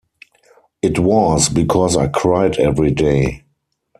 It was because I cried every day.